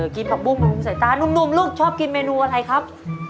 กินผักบุ้งลุงใส่ตานุ่มลูกชอบกินเมนูอะไรครับ